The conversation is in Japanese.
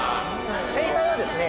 正解はですね